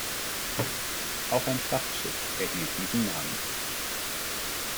Auch ein Frachtschiff erhielt diesen Namen.